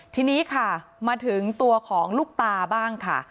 ทีนี้ค่ะมาถึงตัวของลูกตาบ้างค่ะ